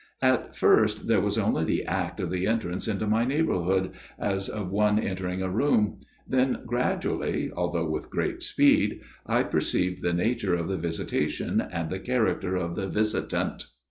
At first there was only the act of the entrance into my neighbourhood as of one entering a room ; then gradually, although with great speed, I perceived the nature of the visitation and the character of the visitant.